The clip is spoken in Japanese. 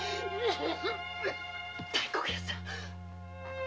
大黒屋さん